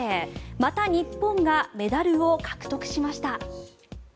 また日本がメダルを獲得しました。